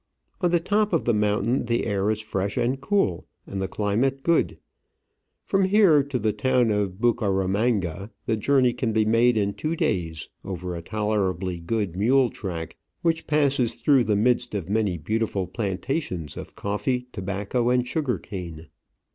On the top of the mountain the air is fresh and cool, and the climate good. From here to the town of Bucara manga the journey can be made in two days, over a tolerably good mule track, which passes through the midst of many beautiful plantations of coffee, tobacco, and sugar cane.